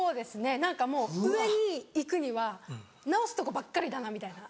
何かもう上に行くには直すとこばっかりだなみたいな。